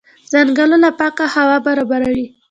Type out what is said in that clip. ځنګلونه پاکه هوا برابروي.